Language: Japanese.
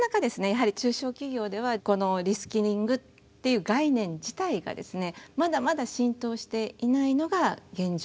やはり中小企業ではこのリスキリングっていう概念自体がですねまだまだ浸透していないのが現状です。